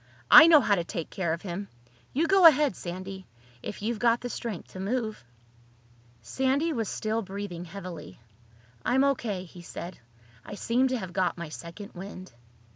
I know how to take care of him. You go ahead, Sandy—if you've got the strength to move." Sandy was still breathing heavily. "I'm O.K.," he said. "I seem to have got my second wind."